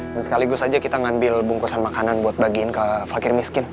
dan sekaligus aja kita ngambil bungkusan makanan buat bagiin ke fakir miskin